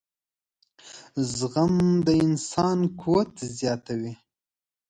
• زغم د انسان قوت زیاتوي.